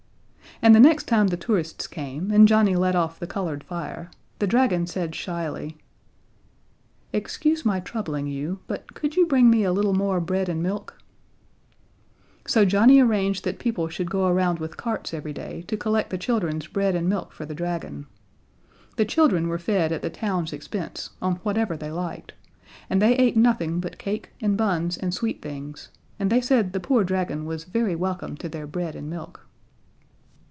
And the next time the tourists came, and Johnnie let off the colored fire, the dragon said shyly: "Excuse my troubling you, but could you bring me a little more bread and milk?" So Johnnie arranged that people should go around with carts every day to collect the children's bread and milk for the dragon. The children were fed at the town's expense on whatever they liked; and they ate nothing but cake and buns and sweet things, and they said the poor dragon was very welcome to their bread and milk.